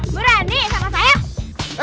berani sama saya